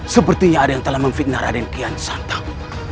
sepertinya ada yang telah memfitnah raden kian santap